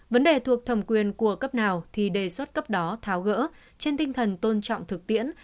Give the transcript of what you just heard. vấn đề thuộc thẩm quyền của cấp nào thì đề xuất cấp đó tháo gỡ trên tinh thần tôn trọng thực tiễn